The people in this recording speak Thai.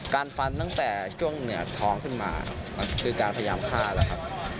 ฟันตั้งแต่ช่วงเหนือท้องขึ้นมามันคือการพยายามฆ่าแล้วครับ